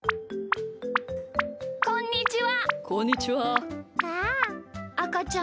こんにちは。